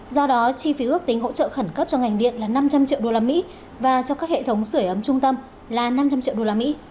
do đó chi phí ước tính hỗ trợ khẩn cấp cho ngành điện là năm trăm linh triệu usd và cho các hệ thống sửa ấm trung tâm là năm trăm linh triệu usd